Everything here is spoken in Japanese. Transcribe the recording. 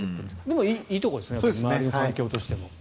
でも、いいところですね周りの環境としても。